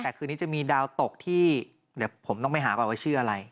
แต่คืนนี้จะมีดาวตกที่เดี๋ยวผมต้องไปหาก่อนว่าชื่ออะไร